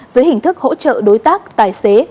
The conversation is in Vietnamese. dưới hình thức hỗ trợ đối tác tài xế